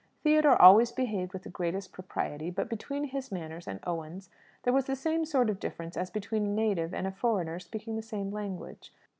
Theodore always behaved with the greatest propriety; but between his manners and Owen's there was the same sort of difference as between a native and a foreigner speaking the same language.